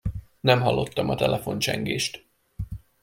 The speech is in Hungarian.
Nem hallottam a telefoncsengést.